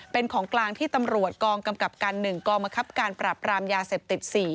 เป็นของกลางที่ตำรวจกองกำกับการ๑กองบังคับการปรับรามยาเสพติด๔